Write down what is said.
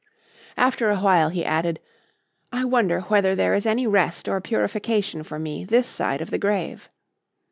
After a while he added: "I wonder whether there is any rest or purification for me this side of the grave."